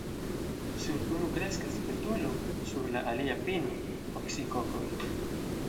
Sur unu kreskas betulo, sur la alia – pino, oksikokoj.